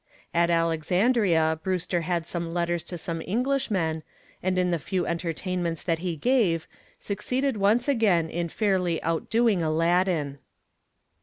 At Alexandria Brewster had letters to some Englishmen, and in the few entertainments that he gave succeeded once again in fairly outdoing Aladdin.